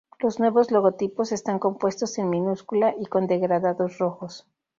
Los nuevos logotipos están compuestos en minúscula y con degradados rojos.